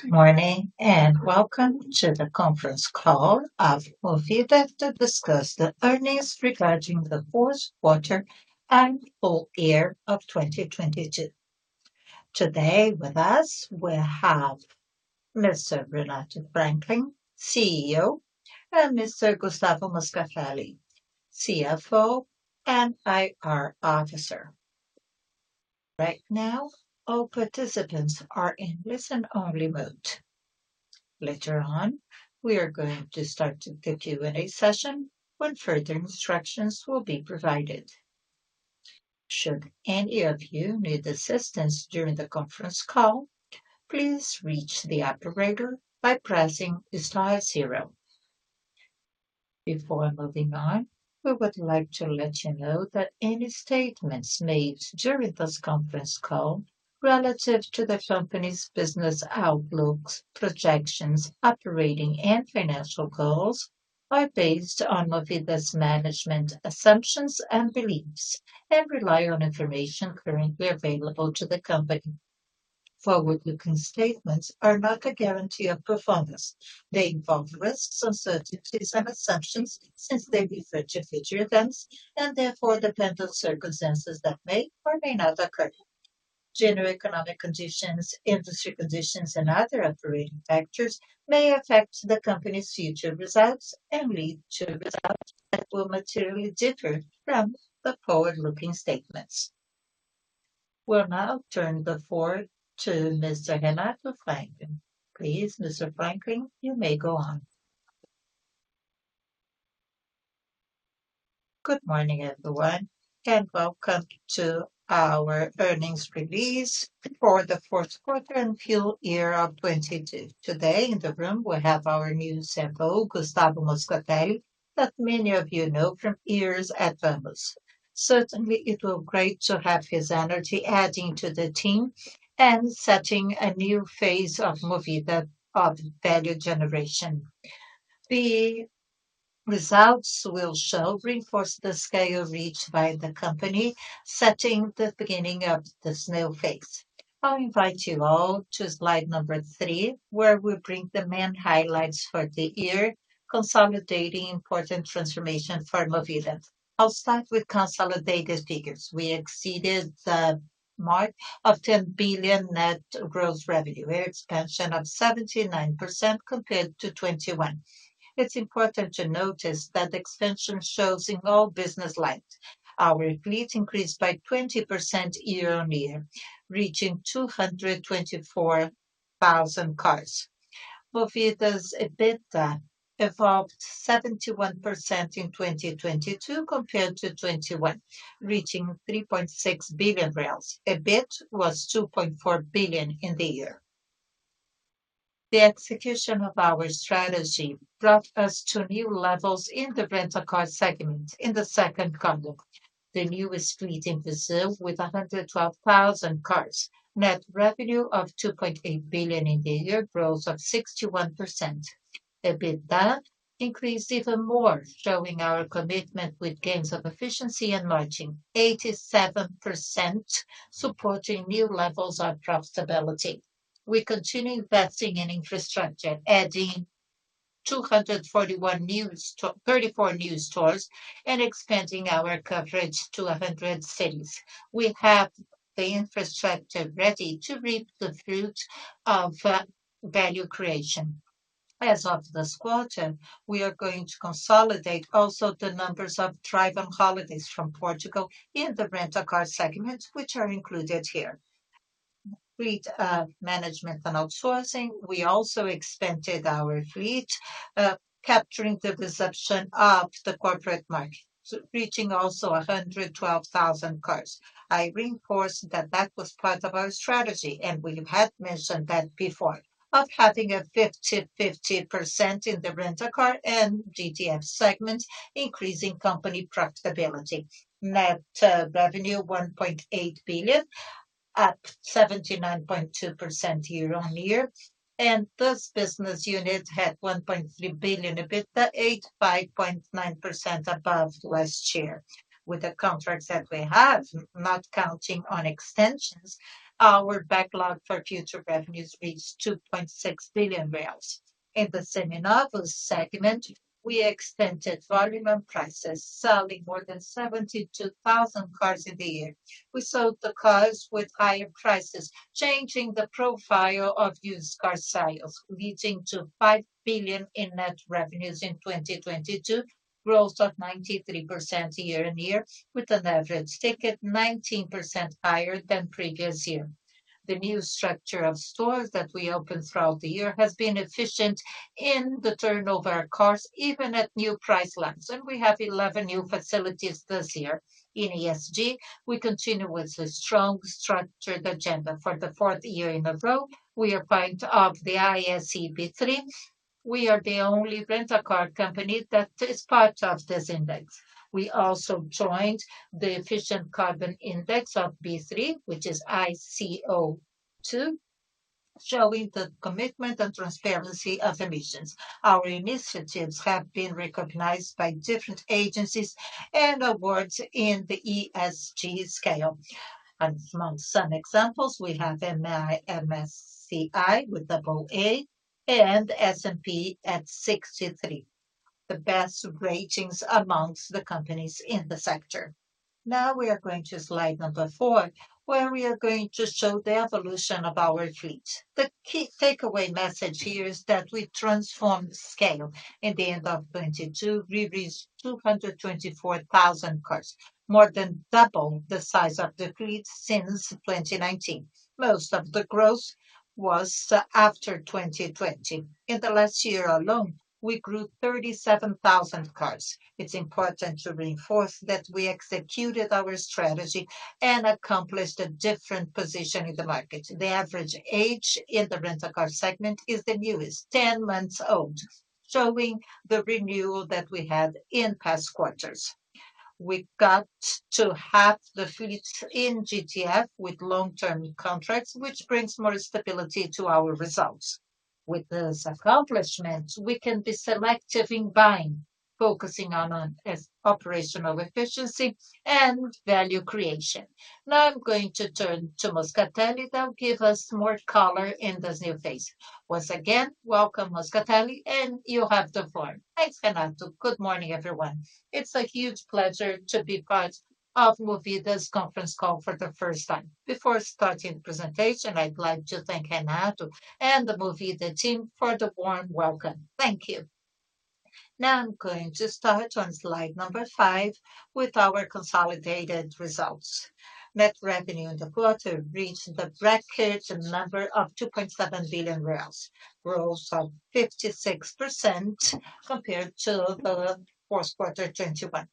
Good morning, welcome to the conference call of Movida to discuss the earnings regarding the Fourth Quarter and Full Year of 2022. Today with us we have Mr. Renato Franklin, CEO, and Mr. Gustavo Moscatelli, CFO and IR officer. Right now, all participants are in listen only mode. Later on, we are going to start the Q&A session when further instructions will be provided. Should any of you need assistance during the conference call, please reach the operator by pressing star zero. Before moving on, we would like to let you know that any statements made during this conference call relative to the company's business outlooks, projections, operating and financial goals are based on Movida's management assumptions and beliefs and rely on information currently available to the company. Forward-looking statements are not a guarantee of performance. They involve risks, uncertainties and assumptions since they refer to future events and therefore depend on circumstances that may or may not occur. General economic conditions, industry conditions and other operating factors may affect the company's future results and lead to results that will materially differ from the forward-looking statements. We'll now turn the floor to Mr. Renato Franklin. Please, Mr. Franklin, you may go on. Good morning everyone, and welcome to our earnings release for the fourth quarter and full year of 2022. Today in the room we have our new CFO, Gustavo Moscatelli, that many of you know from years at Vamos. Certainly, it will great to have his energy adding to the team and setting a new phase of Movida of value generation. The results will show reinforce the scale reached by the company, setting the beginning of this new phase. I'll invite you all to slide number three, where we bring the main highlights for the year, consolidating important transformation for Movida. I'll start with consolidated figures. We exceeded the mark of 10 billion net gross revenue, a expansion of 79% compared to 2021. It's important to notice that expansion shows in all business lines. Our fleet increased by 20% year-on-year, reaching 224,000 cars. Movida's EBITDA evolved 71% in 2022 compared to 2021, reaching 3.6 billion. EBIT was 2.4 billion in the year. The execution of our strategy brought us to new levels in the rental car segment in the second column. The newest fleet in Brazil with 112,000 cars. Net revenue of 2.8 billion in the year, growth of 61%. EBITDA increased even more, showing our commitment with gains of efficiency and margin. 87% supporting new levels of profitability. We continue investing in infrastructure, adding 241 new 34 new stores and expanding our coverage to 100 cities. We have the infrastructure ready to reap the fruits of value creation. As of this quarter, we are going to consolidate also the numbers of Drive on Holidays from Portugal in the rental car segment, which are included here. Fleet management and outsourcing, we also expanded our fleet, capturing the perception of the corporate market, reaching also 112,000 cars. I reinforce that was part of our strategy, and we have mentioned that before, of having a 50/50% in the rental car and GTF segment, increasing company profitability. Net revenue 1.8 billion, up 79.2% year-on-year, and this business unit had 1.3 billion EBITDA, 85.9% above last year. With the contracts that we have, not counting on extensions, our backlog for future revenues reached 2.6 billion. In the Seminovos segment, we extended volume and prices, selling more than 72,000 cars in the year. We sold the cars with higher prices, changing the profile of used car sales, leading to 5 billion in net revenues in 2022, growth of 93% year-on-year, with an average ticket 19% higher than previous year. The new structure of stores that we opened throughout the year has been efficient in the turnover of cars, even at new price lengths, and we have 11 new facilities this year. In ESG, we continue with a strong structured agenda for the 4th year in a row. We are part of the ISE B3. We are the only rental car company that is part of this index. We also joined the Carbon Efficient Index of B3, which is ICO2, showing the commitment and transparency of emissions. Our initiatives have been recognized by different agencies and awards in the ESG scale. Among some examples, we have MSCI with double A and S&P at 63. The best ratings amongst the companies in the sector. Now we are going to slide number four, where we are going to show the evolution of our fleet. The key takeaway message here is that we transformed scale. In the end of 2022, we reached 224,000 cars, more than double the size of the fleet since 2019. Most of the growth was after 2020. In the last year alone, we grew 37,000 cars. It's important to reinforce that we executed our strategy and accomplished a different position in the market. The average age in the rental car segment is the newest, 10 months old, showing the renewal that we had in past quarters. We got to have the fleets in GTF with long-term contracts, which brings more stability to our results. With this accomplishment, we can be selective in buying, focusing on operational efficiency and value creation. I'm going to turn to Moscatelli that will give us more color in this new phase. Once again, welcome Moscatelli, and you have the floor. Thanks, Renato. Good morning, everyone. It's a huge pleasure to be part of Movida's conference call for the first time. Before starting the presentation, I'd like to thank Renato and the Movida team for the warm welcome. Thank you. Now I'm going to start on slide number five with our consolidated results. Net revenue in the quarter reached the bracket number of 2.7 billion, growth of 56% compared to the fourth quarter 2021.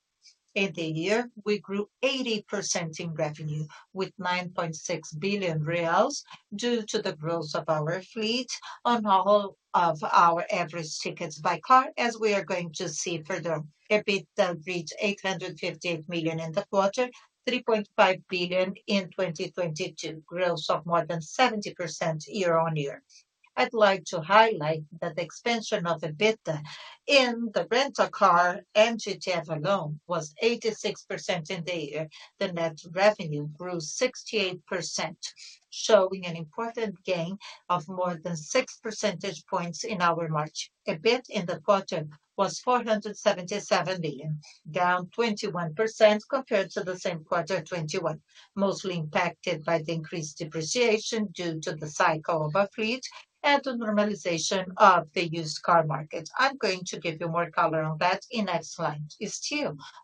In the year, we grew 80% in revenue with 9.6 billion reais due to the growth of our fleet on all of our average tickets by car, as we are going to see further. EBITDA reached 858 million in the quarter, 3.5 billion in 2022, growth of more than 70% year-over-year. I'd like to highlight that the expansion of EBIT in the rental car and GTF alone was 86% in the year. The net revenue grew 68%, showing an important gain of more than six percentage points in our margin. EBIT in the quarter was 477 million, down 21% compared to the same quarter 2021, mostly impacted by the increased depreciation due to the cycle of our fleet and the normalization of the used car market. I'm going to give you more color on that in next slide.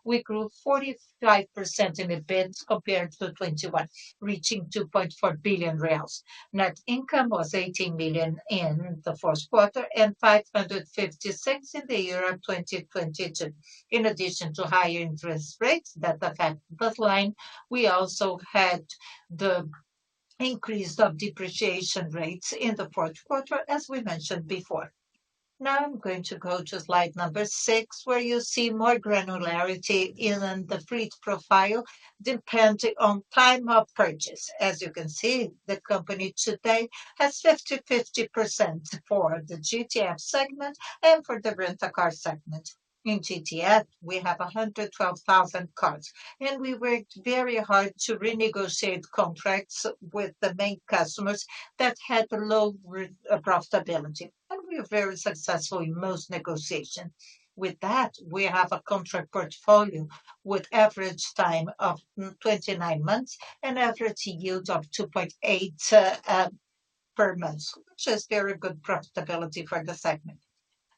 We grew 45% in EBIT compared to 2021, reaching 2.4 billion reais. Net income was 18 million in the first quarter and 550 million in the year 2022. In addition to higher interest rates that affect this line, we also had the increase of depreciation rates in the fourth quarter, as we mentioned before. I'm going to go to slide number six, where you see more granularity in the fleet profile depending on time of purchase. As you can see, the company today has 50-50% for the GTF segment and for the rental car segment. In GTF, we have 112,000 cars. We worked very hard to renegotiate contracts with the main customers that had a low profitability. We are very successful in most negotiations. With that, we have a contract portfolio with average time of 29 months and average yield of 2.8 per month, which is very good profitability for the segment.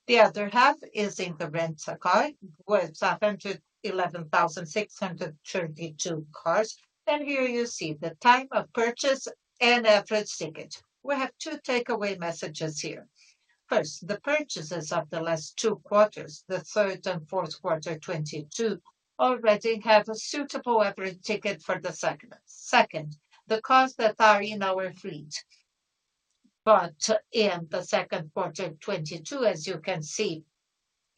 The other half is in the rent-a-car with 111,632 cars. Here you see the time of purchase and average ticket. We have two takeaway messages here. First, the purchases of the last two quarters, the third and fourth quarter 2022, already have a suitable average ticket for the segment. The cars that are in our fleet but in the second quarter of 2022, as you can see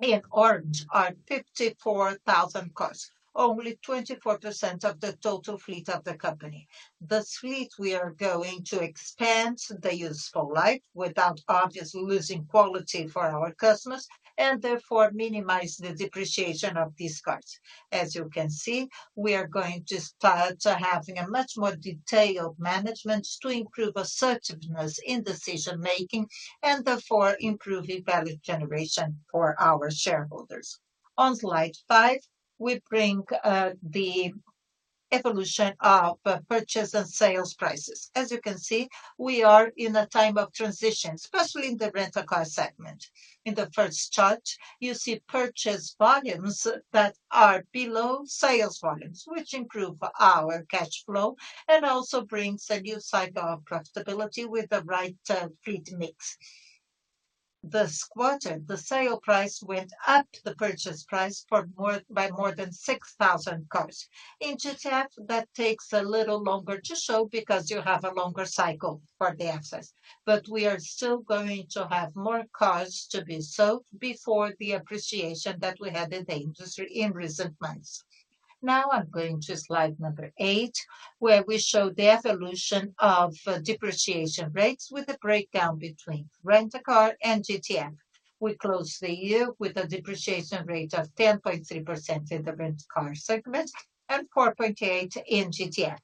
in orange, are 54,000 cars, only 24% of the total fleet of the company. The fleet we are going to expand the useful life without obviously losing quality for our customers and therefore minimize the depreciation of these cars. As you can see, we are going to start having a much more detailed management to improve assertiveness in decision-making and therefore improving value generation for our shareholders. On slide five, we bring the evolution of purchase and sales prices. As you can see, we are in a time of transition, especially in the rental car segment. In the first chart, you see purchase volumes that are below sales volumes, which improve our cash flow and also brings a new cycle of profitability with the right fleet mix. This quarter, the sale price went up the purchase price by more than 6,000 cars. In GTF, that takes a little longer to show because you have a longer cycle for the assets. We are still going to have more cars to be sold before the appreciation that we had in the industry in recent months. I'm going to slide number eight, where we show the evolution of depreciation rates with a breakdown between rent-a-car and GTF. We closed the year with a depreciation rate of 10.3% in the rent-a-car segment and 4.8% in GTF.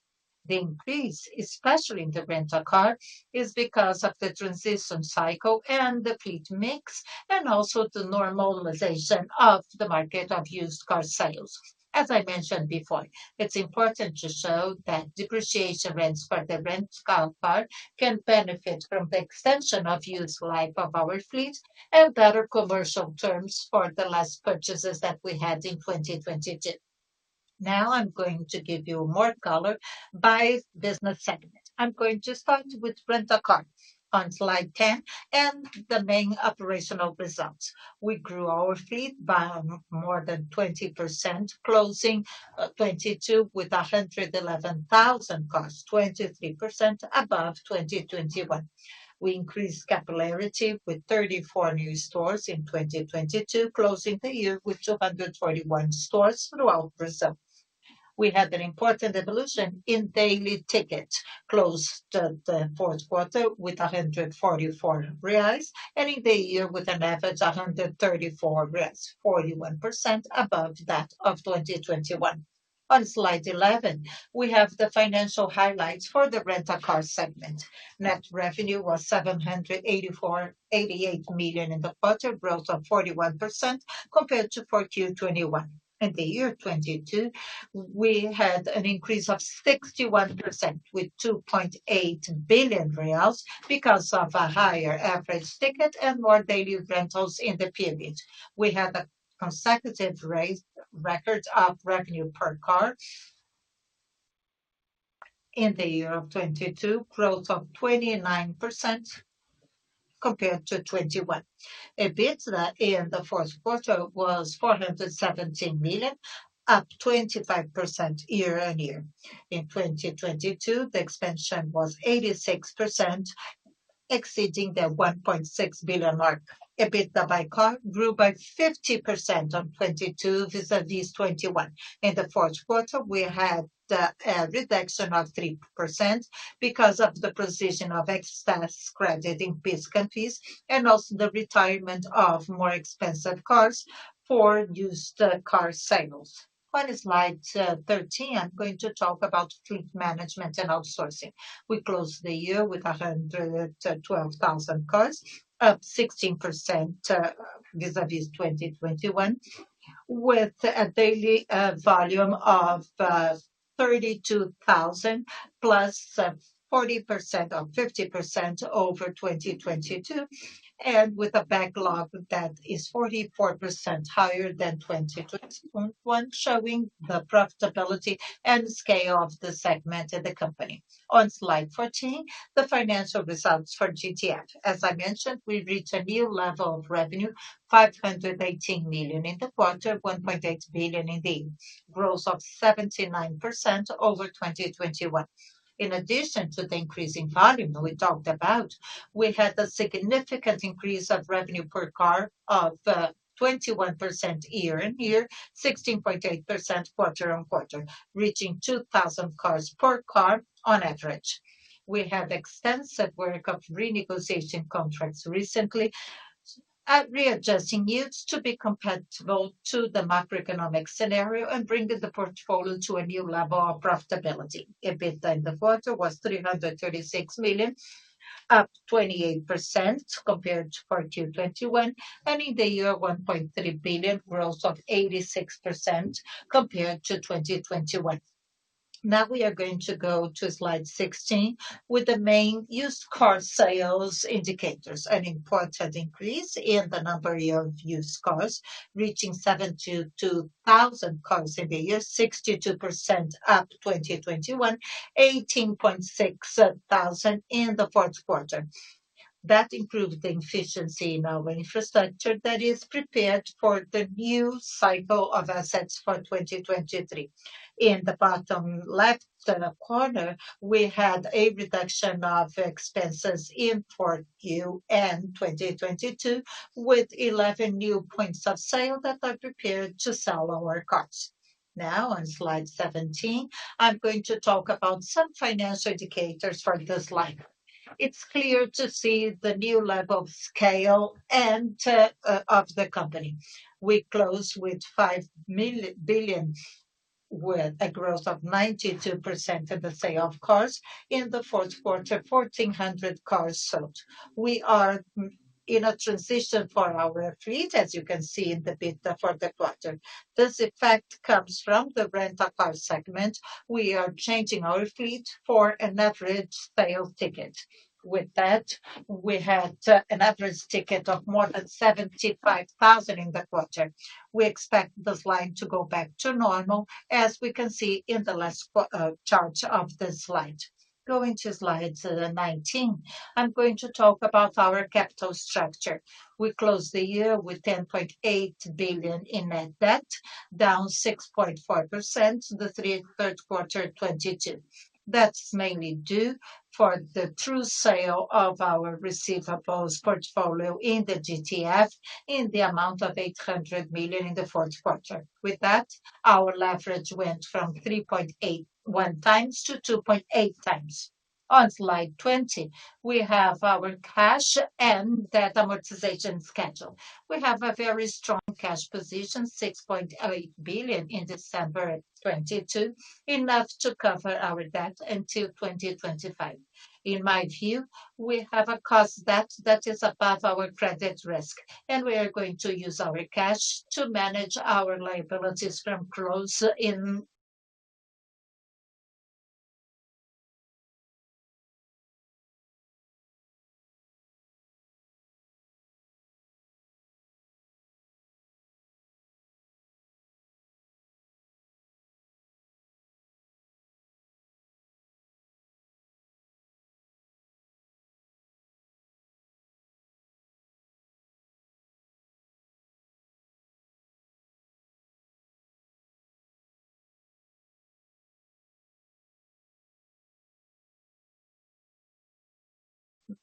The increase, especially in the rental car, is because of the transition cycle and the fleet mix, and also the normalization of the market of used car sales. As I mentioned before, it's important to show that depreciation rents for the rent car part can benefit from the extension of use life of our fleet and better commercial terms for the last purchases that we had in 2022. I'm going to give you more color by business segment. I'm going to start with rental car on slide 10 and the main operational results. We grew our fleet by more than 20%, closing 2022 with 111,000 cars, 23% above 2021. We increased capillarity with 34 new stores in 2022, closing the year with 241 stores throughout Brazil. We had an important evolution in daily ticket, close to the fourth quarter with 144 reais, and in the year with an average 134 reais, 41% above that of 2021. On slide 11, we have the financial highlights for the rental car segment. Net revenue was 788 million in the quarter, growth of 41% compared to 4Q 2021. In the year 2022, we had an increase of 61% with 2.8 billion reais because of a higher average ticket and more daily rentals in the period. We had consecutive records of revenue per car in the year of 2022, growth of 29% compared to 2021. EBITDA in the fourth quarter was 417 million, up 25% year-on-year. In 2022, the expansion was 86%, exceeding the 1.6 billion mark. EBITDA by car grew by 50% on 2022 vis-a-vis 2021. In the fourth quarter, we had a reduction of 3% because of the precision of excess credit in PIS/Cofins and also the retirement of more expensive cars for used car sales. On slide 13, I'm going to talk about fleet management and outsourcing. We closed the year with 112,000 cars, up 16% vis-a-vis 2021, with a daily volume of 32,000 plus 40% or 50% over 2022, and with a backlog that is 44% higher than 2021, showing the profitability and scale of the segment in the company. On slide 14, the financial results for GTF. As I mentioned, we reached a new level of revenue, 518 million in the quarter, 1.8 billion in the year, growth of 79% over 2021. In addition to the increase in volume that we talked about, we had a significant increase of revenue per car of 21% year-on-year, 16.8% quarter-on-quarter, reaching 2,000 cars per car on average. We have extensive work of renegotiating contracts recently at readjusting yields to be compatible to the macroeconomic scenario and bringing the portfolio to a new level of profitability. EBITDA in the quarter was 336 million, up 28% compared to 4Q2021, and in the year 1.3 billion, growth of 86% compared to 2021. We are going to go to slide 16 with the main used car sales indicators. An important increase in the number of used cars, reaching 72,000 cars in the year, 62% up 2021, 18.6 thousand in the fourth quarter. That improved the efficiency in our infrastructure that is prepared for the new cycle of assets for 2023. In the bottom left corner, we had a reduction of expenses in 4Q and 2022 with 11 new points of sale that are prepared to sell our cars. On slide 17, I'm going to talk about some financial indicators for this line. It's clear to see the new level of scale of the company. We close with 5 billion with a growth of 92% in the sale of cars. In the fourth quarter, 1,400 cars sold. We are in a transition for our fleet, as you can see in the EBITDA for the quarter. This effect comes from the rental car segment. We are changing our fleet for an average sale ticket. With that, we had an average ticket of more than 75,000 in the quarter. We expect this line to go back to normal, as we can see in the last chart of the slide. Going to slide 19, I'm going to talk about our capital structure. We closed the year with 10.8 billion in net debt, down 6.4% to the third quarter 2022. That's mainly due for the true sale of our receivables portfolio in the GTF in the amount of 800 million in the fourth quarter. With that, our leverage went from 3.81x to 2.8x. On slide 20, we have our cash and debt amortization schedule. We have a very strong cash position, 6.8 billion in December 2022, enough to cover our debt until 2025. In my view, we have a cost debt that is above our credit risk. We are going to use our cash to manage our liabilities from close in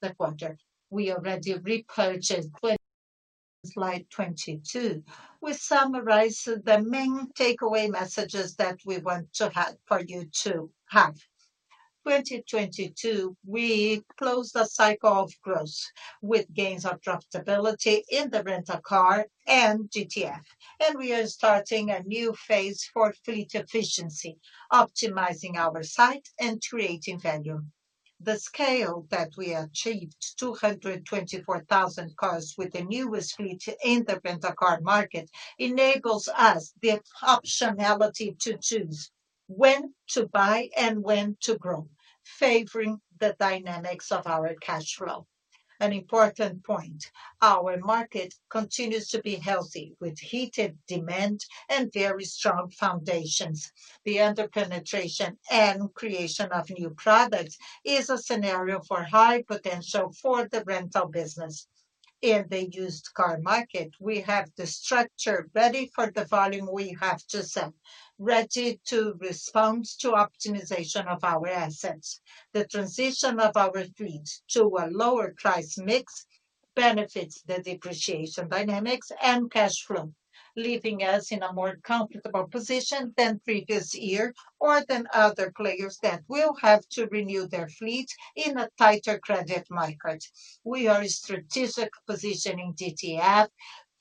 the quarter. We already repurchased. Slide 22. We summarize the main takeaway messages that we want to have for you to have. 2022, we closed a cycle of growth with gains of profitability in the rental car and GTF. We are starting a new phase for fleet efficiency, optimizing our site and creating value. The scale that we achieved, 224,000 cars with the newest fleet in the rental car market, enables us the optionality to choose when to buy and when to grow, favoring the dynamics of our cash flow. An important point, our market continues to be healthy with heated demand and very strong foundations. The under-penetration and creation of new products is a scenario for high potential for the rental business. In the used car market, we have the structure ready for the volume we have to sell, ready to respond to optimization of our assets. The transition of our fleet to a lower price mix benefits the depreciation dynamics and cash flow, leaving us in a more comfortable position than previous year or than other players that will have to renew their fleet in a tighter credit market. We are strategically positioning GTF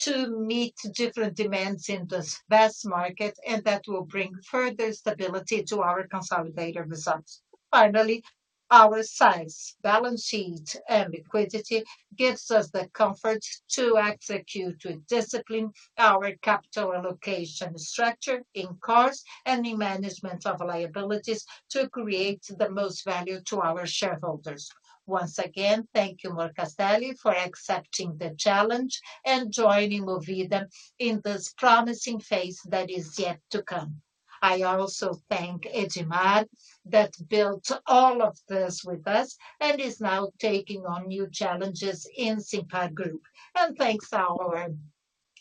to meet different demands in this vast market, and that will bring further stability to our consolidated results. Finally, our size, balance sheet, and liquidity gives us the comfort to execute with discipline our capital allocation structure in cars and in management of liabilities to create the most value to our shareholders. Once again, thank you, Moscatelli, for accepting the challenge and joining Movida in this promising phase that is yet to come. I also thank Edmar that built all of this with us and is now taking on new challenges in Simpar Group. thanks our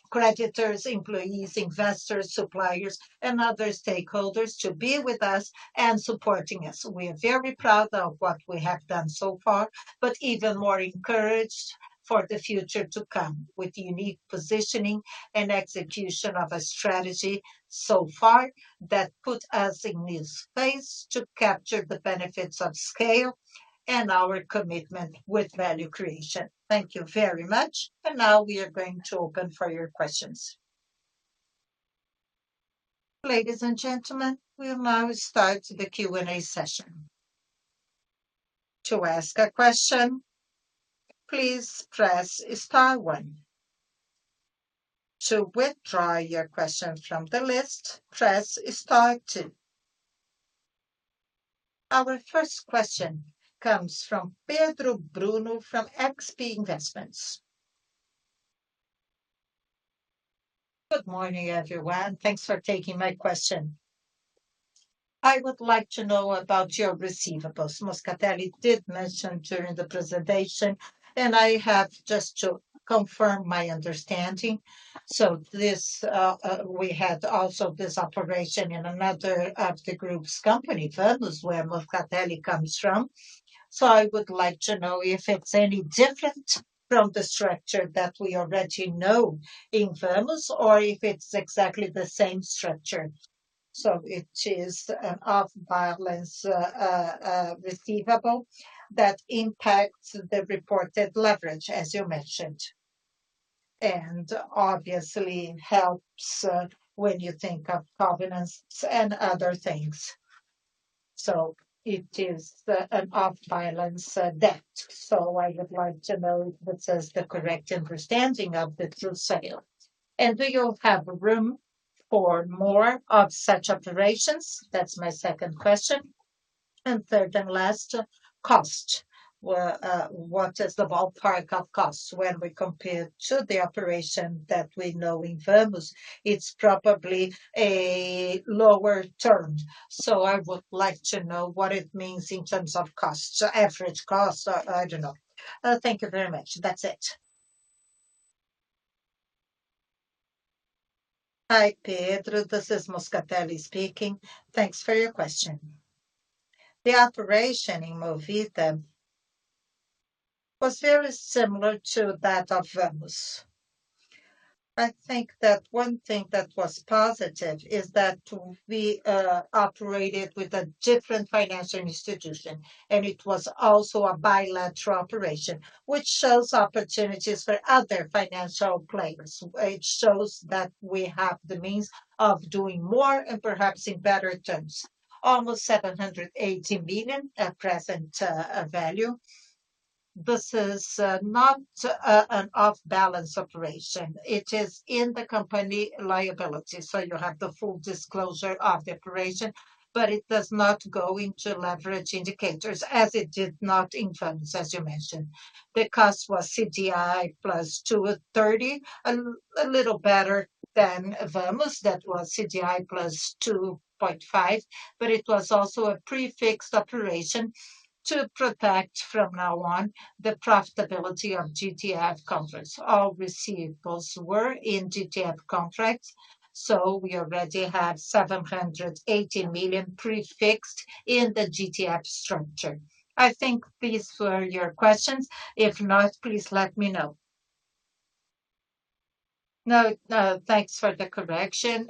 creditors, employees, investors, suppliers, and other stakeholders to be with us and supporting us. We are very proud of what we have done so far, but even more encouraged for the future to come with unique positioning and execution of a strategy so far that put us in this space to capture the benefits of scale and our commitment with value creation. Thank you very much. now we are going to open for your questions. Ladies and gentlemen, we'll now start the Q&A session. To ask a question, please press star one. To withdraw your question from the list, press star two. Our first question comes from Pedro Bruno from XP Investimentos. Good morning, everyone. Thanks for taking my question. I would like to know about your receivables. Moscatelli did mention during the presentation, and I have just to confirm my understanding. This, we had also this operation in another of the group's company, Vamos, where Moscatelli comes from. I would like to know if it's any different from the structure that we already know in Vamos or if it's exactly the same structure. It is an off-balance receivable that impacts the reported leverage, as you mentioned, and obviously helps when you think of governance and other things. It is an off-balance debt. I would like to know if that is the correct understanding of the true sale. Do you have room for more of such operations? That's my second question. Third and last, cost. What is the ballpark of costs when we compare to the operation that we know in Vamos? It's probably a lower term, so I would like to know what it means in terms of costs, average costs, I don't know. Thank you very much. That's it. Hi, Pedro. This is Moscatelli speaking. Thanks for your question. The operation in Movida was very similar to that of Vamos. I think that one thing that was positive is that we operated with a different financial institution, and it was also a bilateral operation, which shows opportunities for other financial players. It shows that we have the means of doing more and perhaps in better terms. Almost 780 million at present value. This is not an off-balance operation. It is in the company liability. You have the full disclosure of the operation, but it does not go into leverage indicators as it did not in Vamos, as you mentioned. The cost was CDI plus 2.30, a little better than Vamos. That was CDI plus 2.5, but it was also a prefixed operation to protect from now on the profitability of GTF contracts. All receivables were in GTF contracts. We already have 780 million prefixed in the GTF structure. I think these were your questions. If not, please let me know. No, thanks for the correction.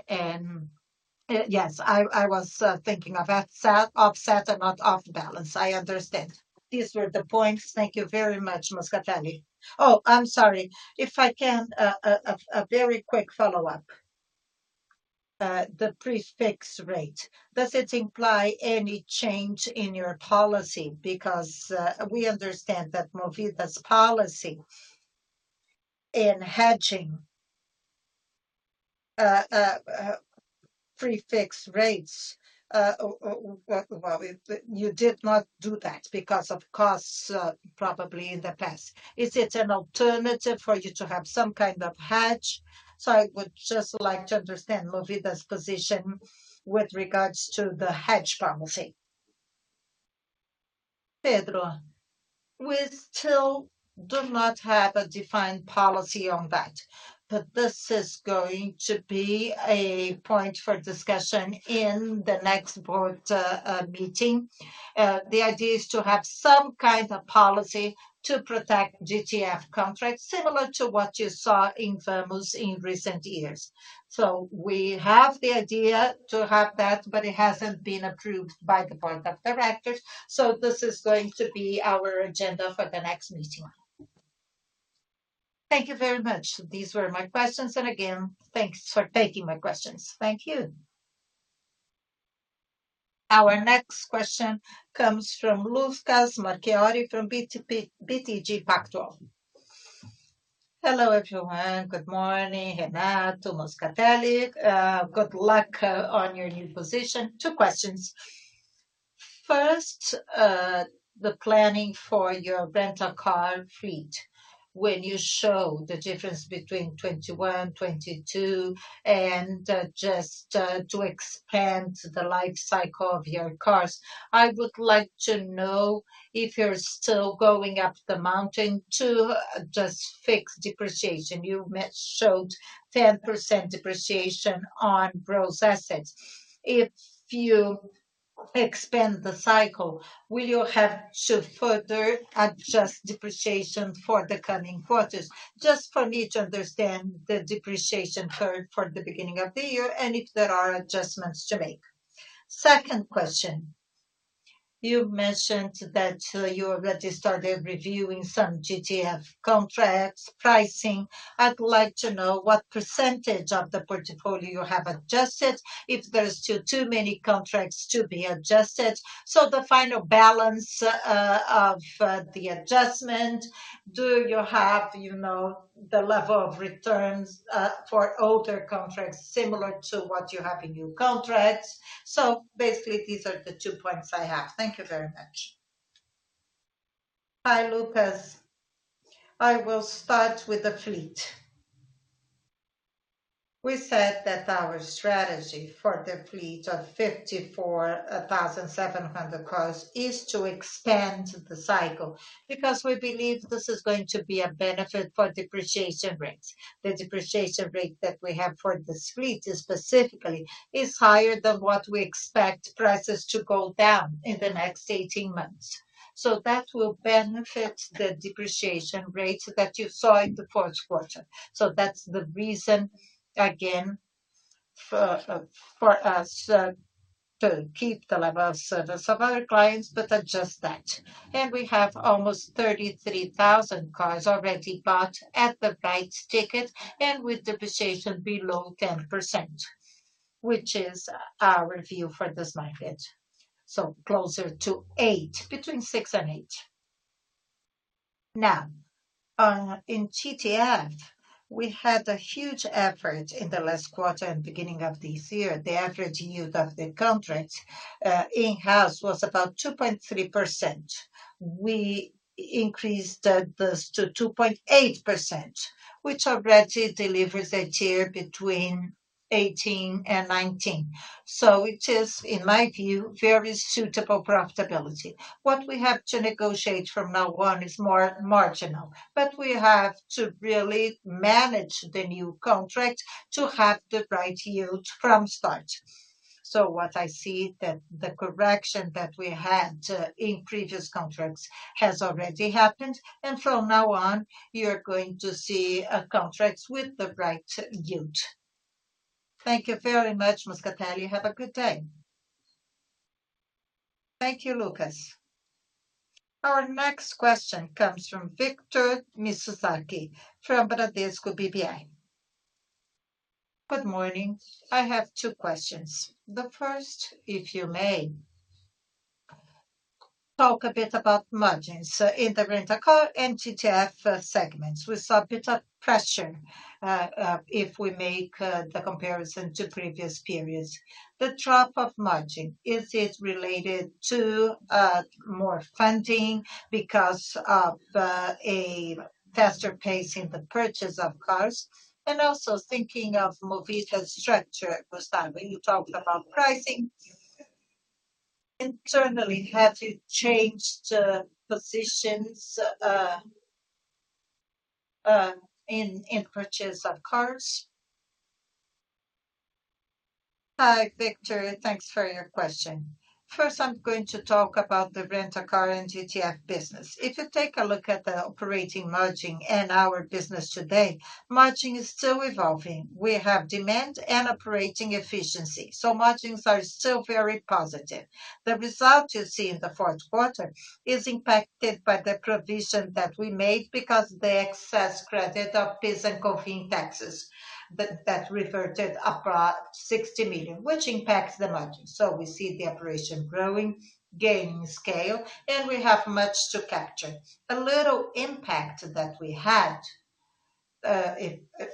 Yes, I was thinking of offset and not off-balance. I understand. These were the points. Thank you very much, Moscatelli. Oh, I'm sorry. If I can, a very quick follow-up. The prefix rate, does it imply any change in your policy? We understand that Movida's policy in hedging prefix rates, you did not do that because of costs, probably in the past. Is it an alternative for you to have some kind of hedge? I would just like to understand Movida's position with regards to the hedge policy. Pedro, we still do not have a defined policy on that, but this is going to be a point for discussion in the next board meeting. The idea is to have some kind of policy to protect GTF contracts similar to what you saw in Vamos in recent years. We have the idea to have that, but it hasn't been approved by the board of directors, so this is going to be our agenda for the next meeting. Thank you very much. These were my questions. And again, thanks for taking my questions. Thank you. Our next question comes from Lucas Marquiori from BTG Pactual. Hello, everyone. Good morning, Renato, Moscatelli. Good luck on your new position. Two questions. First, the planning for your rental car fleet. When you show the difference between 21, 22 and just to expand the life cycle of your cars, I would like to know if you're still going up the mountain to just fix depreciation. You showed 10% depreciation on gross assets. If you expand the cycle, will you have to further adjust depreciation for the coming quarters? Just for me to understand the depreciation heard for the beginning of the year and if there are adjustments to make. Second question, you mentioned that you already started reviewing some GTF contracts pricing. I'd like to know what % of the portfolio you have adjusted, if there's still too many contracts to be adjusted. The final balance of the adjustment, do you have, you know, the level of returns for older contracts similar to what you have in new contracts? Basically, these are the two points I have. Thank you very much. Hi, Lucas. I will start with the fleet. We said that our strategy for the fleet of 54,700 cars is to expand the cycle because we believe this is going to be a benefit for depreciation rates. The depreciation rate that we have for this fleet specifically is higher than what we expect prices to go down in the next 18 months. That will benefit the depreciation rates that you saw in the fourth quarter. That's the reason, again, for us to keep the level of service of our clients, but adjust that. We have almost 33,000 cars already bought at the right ticket and with depreciation below 10%, which is our view for this market. Closer to 8%, between 6% and 8%. In GTF, we had a huge effort in the last quarter and beginning of this year. The average yield of the contract in-house was about 2.3%. We increased this to 2.8%, which already delivers a tier between 18% and 19%. It is, in my view, very suitable profitability. What we have to negotiate from now on is more marginal, we have to really manage the new contract to have the right yield from start. What I see that the correction that we had in previous contracts has already happened, from now on, you're going to see contracts with the right yield. Thank you very much, Moscatelli. Have a good day. Thank you, Lucas. Our next question comes from Victor Mizusaki from Bradesco BBI. Good morning. I have two questions. The first, if you may, talk a bit about margins in the rent a car and GTF segments. We saw a bit of pressure, if we make the comparison to previous periods. The drop of margin, is it related to more funding because of a faster pace in the purchase of cars? Also thinking of Movida's structure, Gustavo, you talked about pricing. Internally, have you changed positions in purchase of cars? Hi, Victor. Thanks for your question. First, I'm going to talk about the rent a car and GTF business. If you take a look at the operating margin in our business today, margin is still evolving. We have demand and operating efficiency, so margins are still very positive. The result you see in the fourth quarter is impacted by the provision that we made because the excess credit of PIS and COFINS taxes that reverted approximately 60 million, which impacts the margin. We see the operation growing, gaining scale, and we have much to capture. A little impact that we had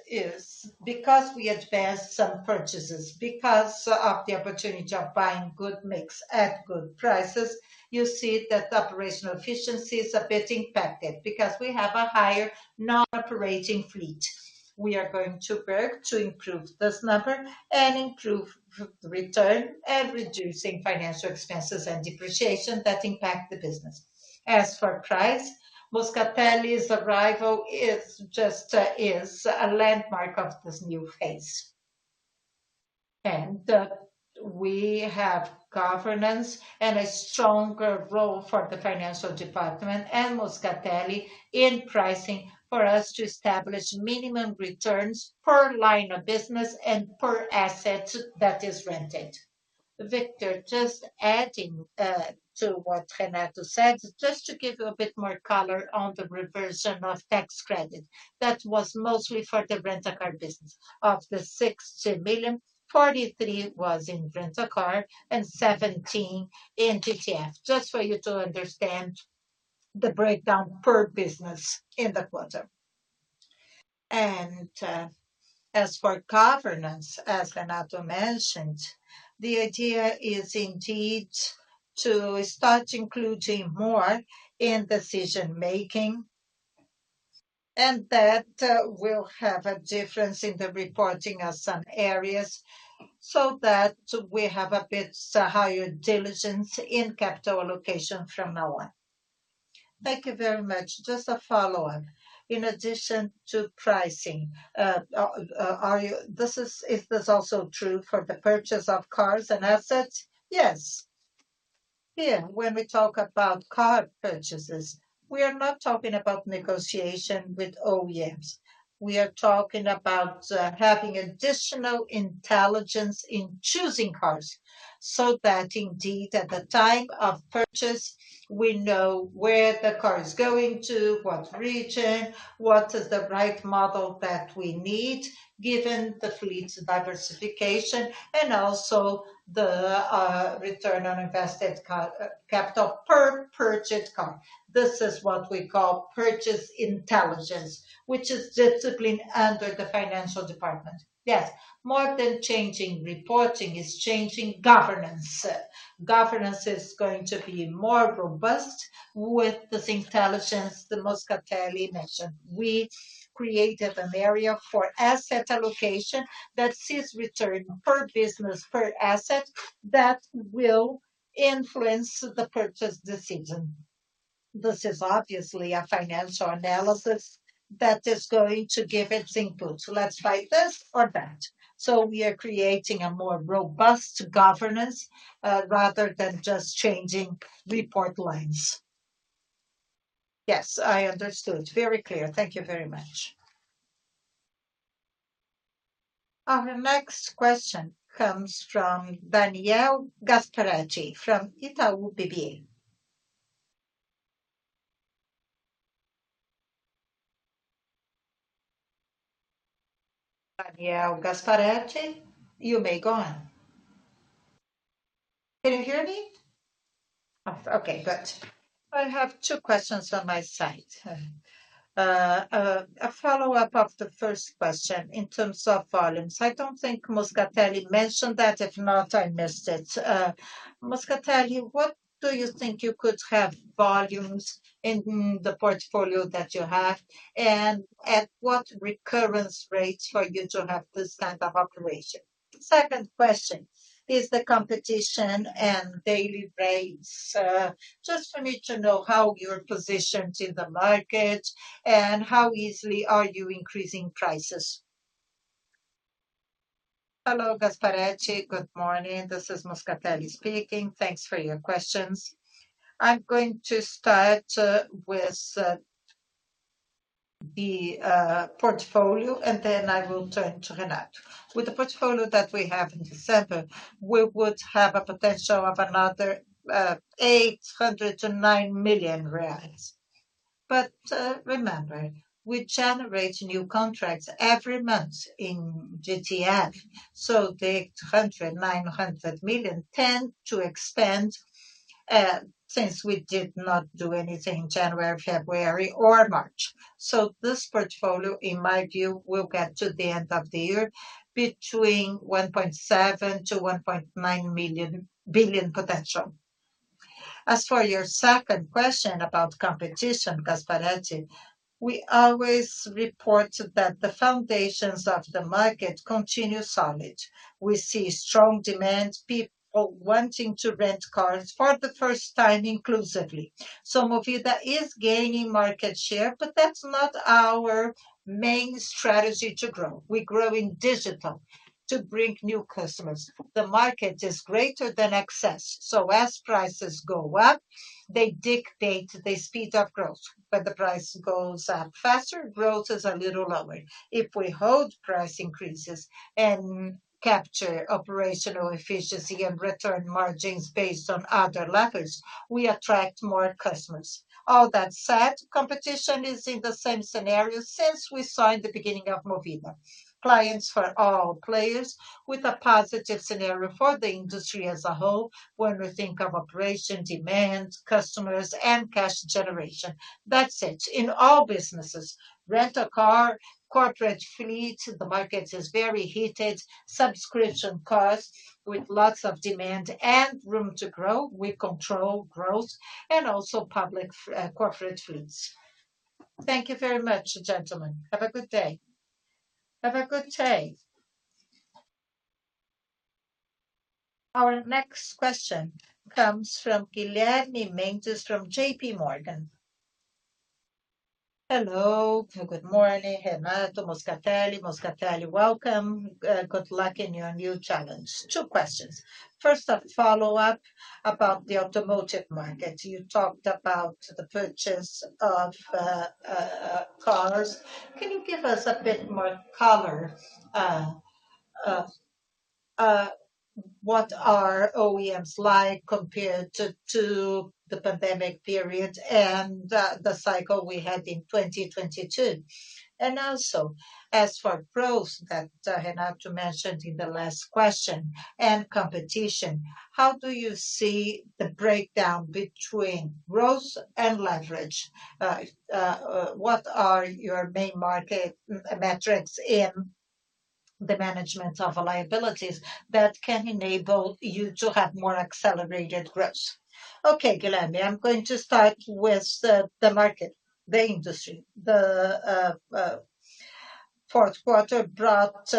is because we advanced some purchases. Because of the opportunity of buying good mix at good prices, you see that the operational efficiency is a bit impacted because we have a higher non-operating fleet. We are going to work to improve this number and improve return and reducing financial expenses and depreciation that impact the business. As for price, Moscatelli's arrival is just a landmark of this new phase. We have governance and a stronger role for the financial department and Moscatelli in pricing for us to establish minimum returns per line of business and per asset that is rented. Victor, just adding to what Renato said, just to give you a bit more color on the reversion of tax credit. That was mostly for the rent a car business. Of the 60 million, 43 million was in rent a car and 17 million in GTF, just for you to understand the breakdown per business in the quarter. As for governance, as Renato mentioned, the idea is indeed to start including more in decision-making, and that will have a difference in the reporting of some areas so that we have a bit higher diligence in capital allocation from now on. Thank you very much. Just a follow-on. In addition to pricing, Is this also true for the purchase of cars and assets? Yes. Yeah. When we talk about car purchases, we are not talking about negotiation with OEMs. We are talking about having additional intelligence in choosing cars, so that indeed at the time of purchase, we know where the car is going to, what region, what is the right model that we need given the fleet's diversification and also the return on invested capital per purchased car. This is what we call purchase intelligence, which is disciplined under the financial department. Yes, more than changing reporting, it's changing governance. Governance is going to be more robust with this intelligence that Moscatelli mentioned. We created an area for asset allocation that sees return per business, per asset that will influence the purchase decision. This is obviously a financial analysis that is going to give its input. Let's buy this or that. We are creating a more robust governance, rather than just changing report lines. Yes, I understood. Very clear. Thank you very much. Our next question comes from Daniel Gasparete from Itaú BBA. Daniel Gasparete, you may go on. Can you hear me? Okay, good. I have two questions on my side. A follow-up of the first question in terms of volumes. I don't think Moscatelli mentioned that. If not, I missed it. Moscatelli, what do you think you could have volumes in the portfolio that you have, and at what recurrence rate for you to have this type of operation? Second question is the competition and daily rates. Just for me to know how you're positioned in the market and how easily are you increasing prices? Hello, Gasparete. Good morning. This is Moscatelli speaking. Thanks for your questions. I'm going to start with the portfolio, and then I will turn to Renato. With the portfolio that we have in December, we would have a potential of another 800 million-900 million reais. Remember, we generate new contracts every month in GTF, so the 800 million-900 million tend to expand since we did not do anything in January, February, or March. This portfolio, in my view, will get to the end of the year between 1.7 billion-1.9 billion potential. As for your second question about competition, Gasparete, we always report that the foundations of the market continue solid. We see strong demand, people wanting to rent cars for the first time inclusively. Movida is gaining market share, but that's not our main strategy to grow. We grow in digital to bring new customers. The market is greater than excess. As prices go up, they dictate the speed of growth. When the price goes up faster, growth is a little lower. If we hold price increases and capture operational efficiency and return margins based on other levers, we attract more customers. Competition is in the same scenario since we saw in the beginning of Movida. Clients for all players with a positive scenario for the industry as a whole when we think of operation, demand, customers, and cash generation. In all businesses, rent a car, corporate fleet, the market is very heated. Subscription cost with lots of demand and room to grow. We control growth and also public corporate fleets. Thank you very much, gentlemen. Have a good day. Have a good day. Our next question comes from Guilherme Mendes from JPMorgan. Hello, good morning, Renato, Moscatelli. Moscatelli, welcome. Good luck in your new challenge. Two questions. First, a follow-up about the automotive market. You talked about the purchase of cars. Can you give us a bit more color, what are OEMs like compared to the pandemic period and the cycle we had in 2022? Also, as for growth that Renato mentioned in the last question and competition, how do you see the breakdown between growth and leverage? What are your main market metrics in the management of liabilities that can enable you to have more accelerated growth? Okay, Guilherme, I'm going to start with the market, the industry. The fourth quarter brought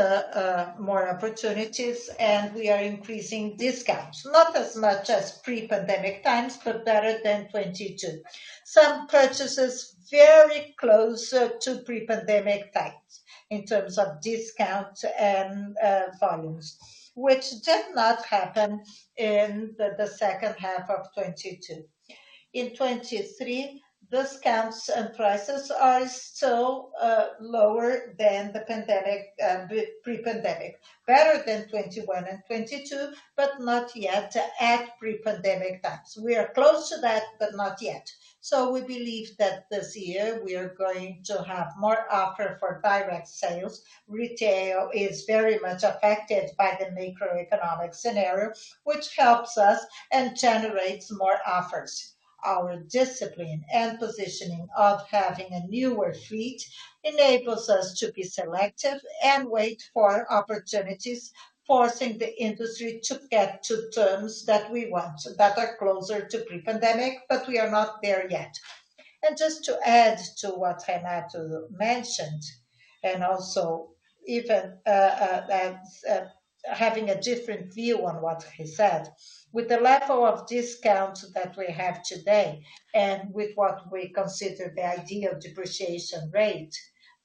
more opportunities, and we are increasing discounts. Not as much as pre-pandemic times, but better than 2022. Some purchases very close to pre-pandemic times in terms of discount and volumes, which did not happen in the second half of 2022. In 2023, discounts and prices are still lower than the pre-pandemic. Better than 2021 and 2022, but not yet at pre-pandemic times. We are close to that, but not yet. We believe that this year we are going to have more offer for direct sales. Retail is very much affected by the macroeconomic scenario, which helps us and generates more offers. Our discipline and positioning of having a newer fleet enables us to be selective and wait for opportunities, forcing the industry to get to terms that we want, that are closer to pre-pandemic, but we are not there yet. Just to add to what Renato mentioned, and also even, that's having a different view on what he said. With the level of discounts that we have today and with what we consider the ideal depreciation rate,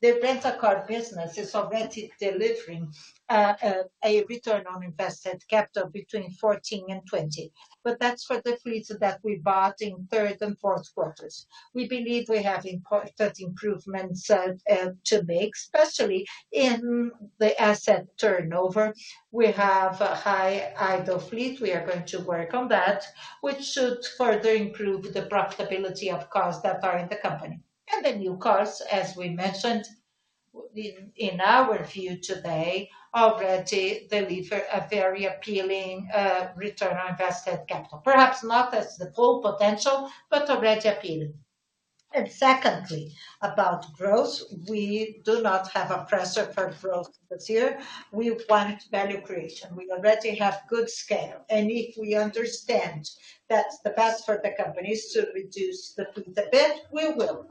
the rent a car business is already delivering a return on invested capital between 14 and 20, but that's for the fleets that we bought in third and fourth quarters. We believe we have important improvements to make, especially in the asset turnover. We have a high idle fleet. We are going to work on that, which should further improve the profitability of cars that are in the company. The new cars, as we mentioned, in our view today, already deliver a very appealing return on invested capital. Perhaps not as the full potential, but already appealing. Secondly, about growth, we do not have a pressure for growth this year. We want value creation. We already have good scale. If we understand that the best for the company is to reduce the bid, we will.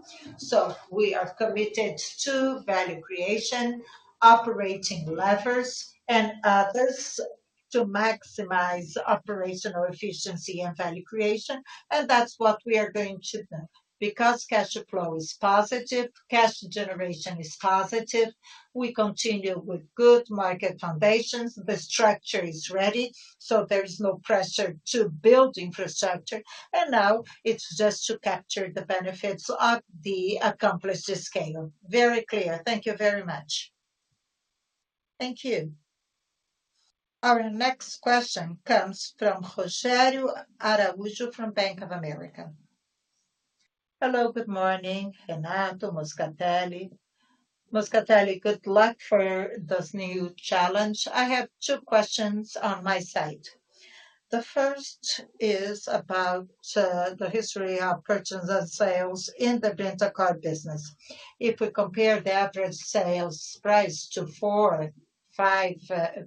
We are committed to value creation, operating levers and others to maximize operational efficiency and value creation, and that's what we are going to do. Cash flow is positive, cash generation is positive, we continue with good market foundations. The structure is ready, so there is no pressure to build infrastructure, and now it's just to capture the benefits of the accomplished scale. Very clear. Thank you very much. Thank you. Our next question comes from Rogério Araújo from Bank of America. Hello, good morning, Renato, Moscatelli. Moscatelli, good luck for this new challenge. I have two questions on my side. The first is about the history of purchase and sales in the rent-a-car business. If we compare the average sales price to four, five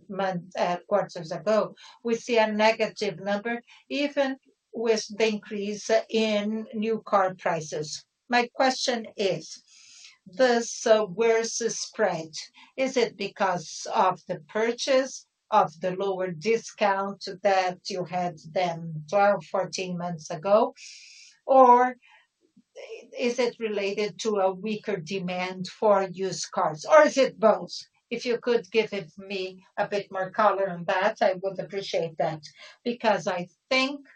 months, quarters ago, we see a negative number even with the increase in new car prices. My question is, this worse spread, is it because of the purchase of the lower discount that you had then 12, 14 months ago, or is it related to a weaker demand for used cars, or is it both? If you could give it me a bit more color on that, I would appreciate that because I think that,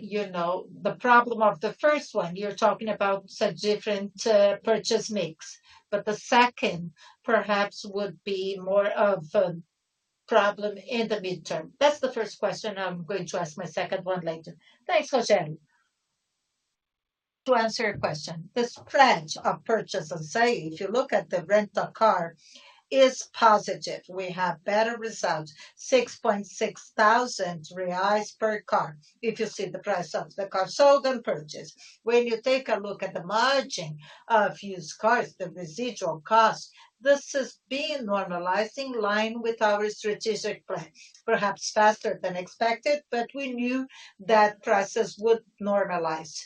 you know, the problem of the first one, you're talking about a different purchase mix. The second perhaps would be more of a problem in the midterm. That's the first question. I'm going to ask my second one later. Thanks, Rogério. To answer your question, the spread of purchase and sale, if you look at the rent-a-car, is positive. We have better results, 6,600 reais per car if you see the price of the car sold and purchased. When you take a look at the margin of used cars, the residual cost, this has been normalizing in line with our strategic plan. Perhaps faster than expected, we knew that prices would normalize.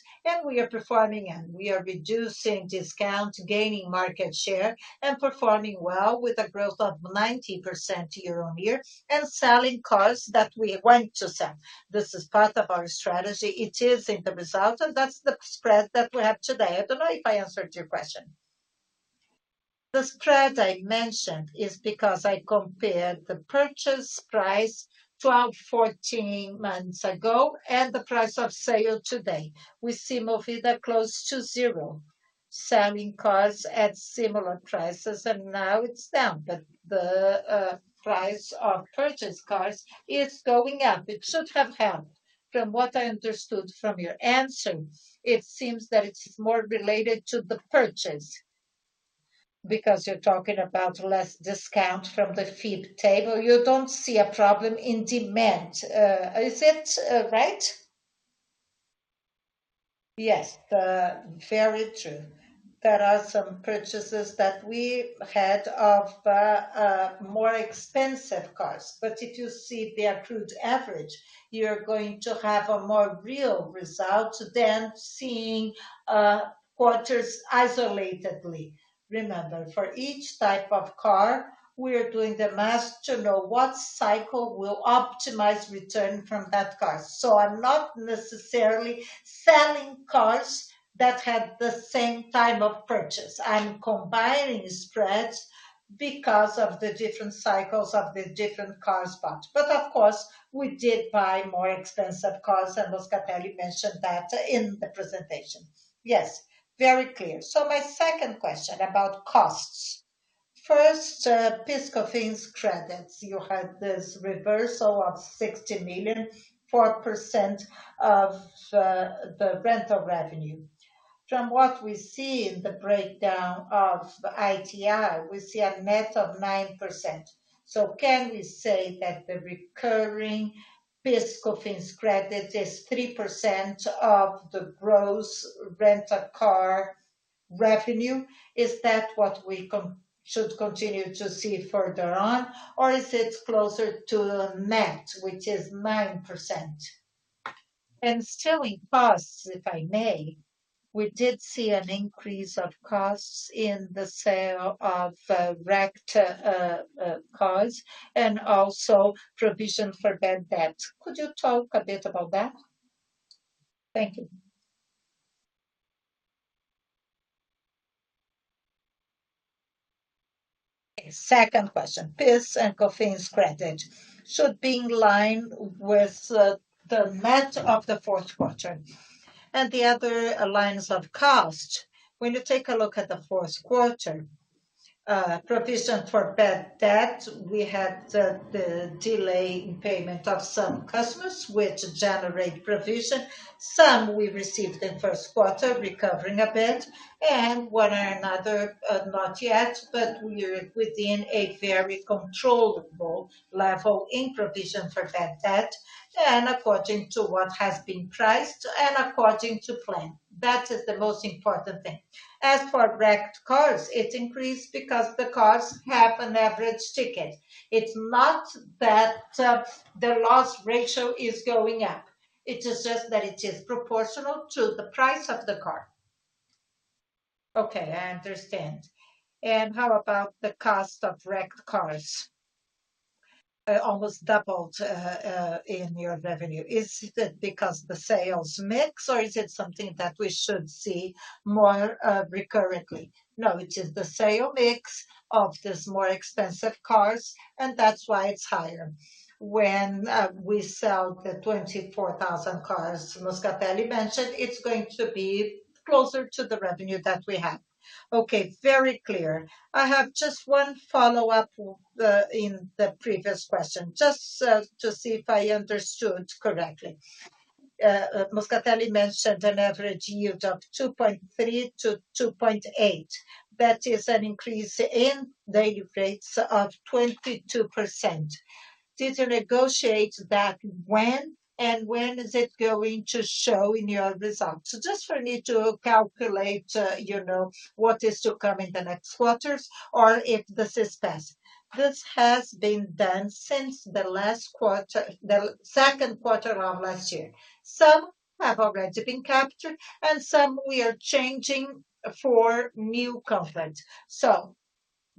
We are performing and we are reducing discount, gaining market share, and performing well with a growth of 90% year-over-year and selling cars that we want to sell. This is part of our strategy. It is in the result, that's the spread that we have today. I don't know if I answered your question. The spread I mentioned is because I compared the purchase price 12, 14 months ago and the price of sale today. We see Movida close to zero, selling cars at similar prices, now it's down. The price of purchased cars is going up. It should have helped. From what I understood from your answer, it seems that it's more related to the purchase because you're talking about less discount from the FIPE table. You don't see a problem in demand. Is it right? Yes. Very true. There are some purchases that we had of more expensive cars. If you see the accrued average, you're going to have a more real result than seeing quarters isolatedly. Remember, for each type of car, we are doing the math to know what cycle will optimize return from that car. I'm not necessarily selling cars that had the same time of purchase. I'm combining spreads because of the different cycles of the different cars bought. Of course, we did buy more expensive cars, and Moscatelli mentioned that in the presentation. Yes, very clear. My second question about costs. First, PIS/Cofins credits. You had this reversal of 60 million, 4% of the rental revenue. From what we see in the breakdown of EBITDA, we see a net of 9%. Can we say that the recurring PIS/Cofins credit is 3% of the gross rent-a-car revenue? Is that what we should continue to see further on, or is it closer to net, which is 9%? Still in costs, if I may, we did see an increase of costs in the sale of wrecked cars and also provision for bad debt. Could you talk a bit about that? Thank you. Okay. Second question. PIS and Cofins credit should be in line with the net of the fourth quarter. The other lines of cost, when you take a look at the fourth quarter, provision for bad debt, we had the delay in payment of some customers which generate provision. Some we received in first quarter, recovering a bit, and one or another, not yet, but we're within a very controllable level in provision for bad debt and according to what has been priced and according to plan. That is the most important thing. As for wrecked cars, it increased because the cars have an average ticket. It's not that the loss ratio is going up. It is just that it is proportional to the price of the car. Okay, I understand. How about the cost of wrecked cars? Almost doubled in your revenue. Is it because the sales mix, or is it something that we should see more recurrently? No, it is the sale mix of this more expensive cars, and that's why it's higher. When we sell the 24,000 cars Moscatelli mentioned, it's going to be closer to the revenue that we have. Okay. Very clear. I have just one follow-up in the previous question, just to see if I understood correctly. Moscatelli mentioned an average yield of 2.3-2.8. That is an increase in daily rates of 22%. Did you negotiate that when, and when is it going to show in your results? Just for me to calculate, you know, what is to come in the next quarters or if this is best. This has been done since the second quarter of last year. Some have already been captured, and some we are changing for new contract.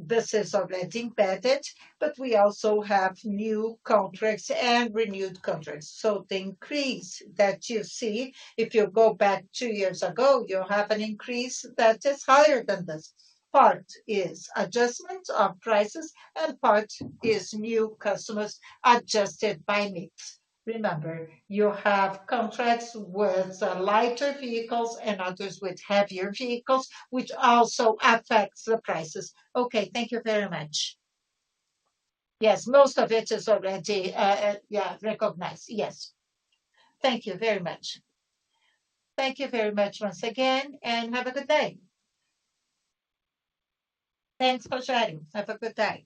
This is already embedded, but we also have new contracts and renewed contracts. The increase that you see, if you go back two years ago, you have an increase that is higher than this. Part is adjustment of prices and part is new customers adjusted by mix. Remember, you have contracts with lighter vehicles and others with heavier vehicles, which also affects the prices. Okay. Thank you very much. Yes, most of it is already, yeah, recognized. Yes. Thank you very much. Thank you very much once again, and have a good day. Thanks for sharing. Have a good day.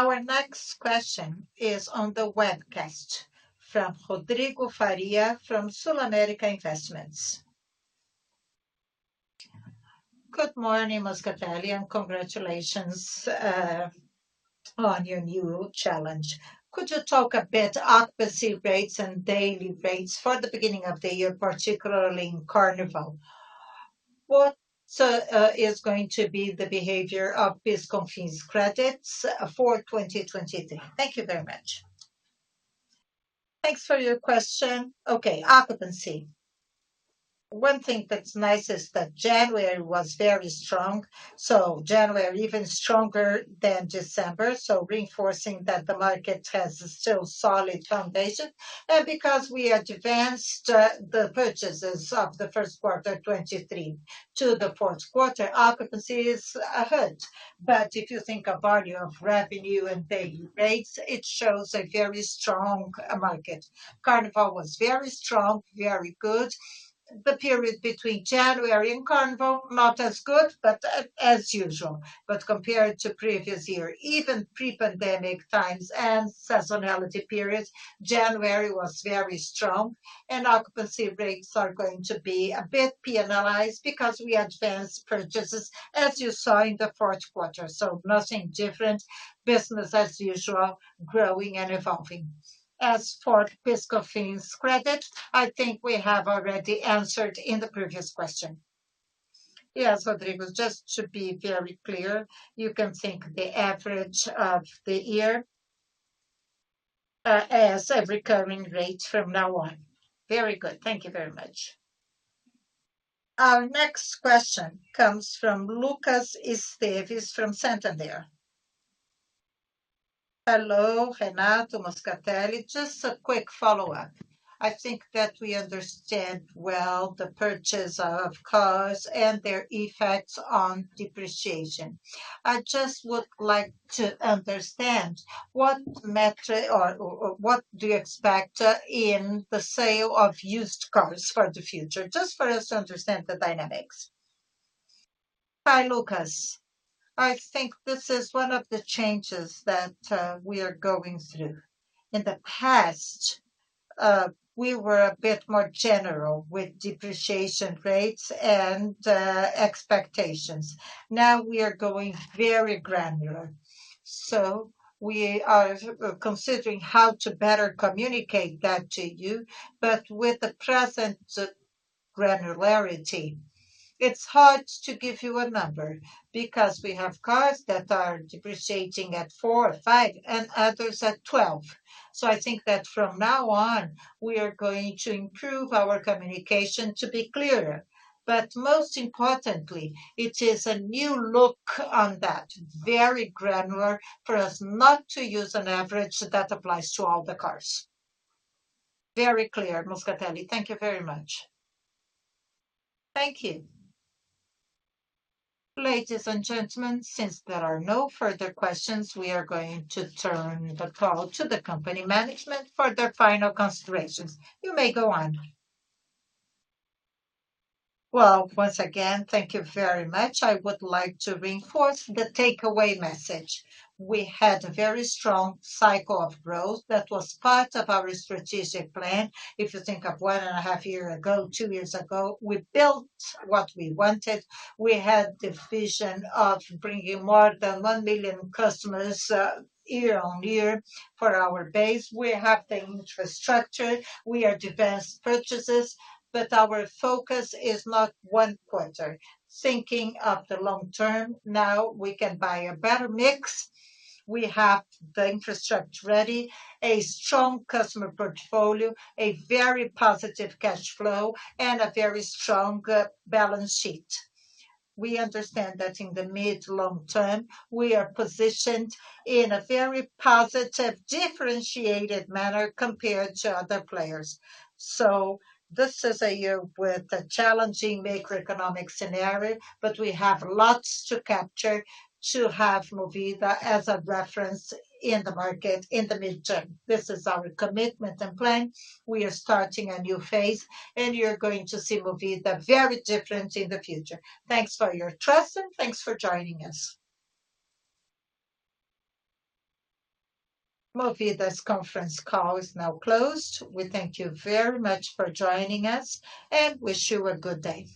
Our next question is on the webcast from Rodrigo Faria from SulAmérica Investimentos. Good morning, Moscatelli, and congratulations on your new challenge. Could you talk a bit occupancy rates and daily rates for the beginning of the year, particularly in Carnival? What is going to be the behavior of PIS/Cofins credits for 2023? Thank you very much. Thanks for your question. Okay. Occupancy. One thing that's nice is that January was very strong. January even stronger than December, so reinforcing that the market has a still solid foundation. Because we advanced the purchases of the first quarter 2023 to the fourth quarter, occupancy is ahead. If you think of value of revenue and daily rates, it shows a very strong market. Carnival was very strong, very good. The period between January and Carnival, not as good, as usual. Compared to previous year, even pre-pandemic times and seasonality periods, January was very strong and occupancy rates are going to be a bit penalized because we advanced purchases as you saw in the fourth quarter. Nothing different, business as usual, growing and evolving. As for PIS/Cofins credit, I think we have already answered in the previous question. Yes, Rodrigo. Just to be very clear, you can think the average of the year as a recurring rate from now on. Very good. Thank you very much. Our next question comes from Lucas Esteves from Santander. Hello, Renato, Moscatelli. Just a quick follow-up. I think that we understand well the purchase of cars and their effects on depreciation. I just would like to understand what metric or what do you expect in the sale of used cars for the future? Just for us to understand the dynamics. Hi, Lucas. I think this is one of the changes that we are going through. In the past, we were a bit more general with depreciation rates and expectations. Now we are going very granular. We are considering how to better communicate that to you, but with the present granularity, it's hard to give you a number because we have cars that are depreciating at 4, 5, and others at 12. I think that from now on, we are going to improve our communication to be clearer. Most importantly, it is a new look on that, very granular for us not to use an average that applies to all the cars. Very clear, Moscatelli. Thank you very much. Thank you. Ladies and gentlemen, since there are no further questions, we are going to turn the call to the company management for their final considerations. You may go on. Well, once again, thank you very much. I would like to reinforce the takeaway message. We had a very strong cycle of growth that was part of our strategic plan. If you think of one and a half year ago, two years ago, we built what we wanted. We had the vision of bringing more than 1 million customers year on year for our base. We have the infrastructure. We advanced purchases, but our focus is not one quarter. Thinking of the long term, now we can buy a better mix. We have the infrastructure ready, a strong customer portfolio, a very positive cash flow, and a very strong balance sheet. We understand that in the mid long term, we are positioned in a very positive, differentiated manner compared to other players. This is a year with a challenging macroeconomic scenario, but we have lots to capture to have Movida as a reference in the market in the midterm. This is our commitment and plan. We are starting a new phase, and you're going to see Movida very different in the future. Thanks for your trust and thanks for joining us. Movida's conference call is now closed. We thank you very much for joining us and wish you a good day.